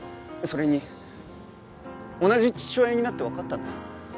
それに同じ父親になってわかったんだ。